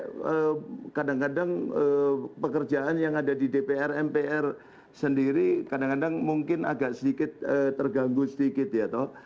karena kadang kadang pekerjaan yang ada di dpr mpr sendiri kadang kadang mungkin agak sedikit terganggu sedikit ya toh